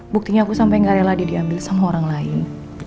buktinya aku sampai gak rela didiambil sama orang lain